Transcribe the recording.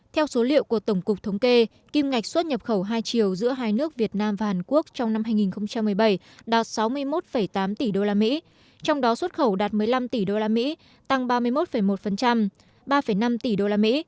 theo số liệu của tổng cục thống kê kim ngạch xuất nhập khẩu hai chiều giữa hai nước việt nam và hàn quốc trong năm hai nghìn một mươi bảy đạt sáu mươi một tám tỷ usd trong đó xuất khẩu đạt một mươi năm tỷ usd tăng ba mươi một một ba năm tỷ usd